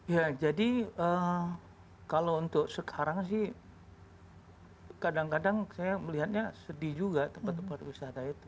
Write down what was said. ya jadi kalau untuk sekarang sih kadang kadang saya melihatnya sedih juga tempat tempat wisata itu